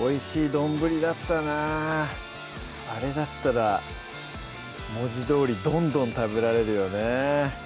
おいしい丼だったなあれだったら文字どおりどんどん食べられるよね